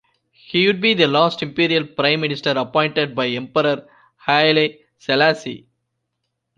He would be the last Imperial Prime Minister appointed by Emperor Haile Selassie.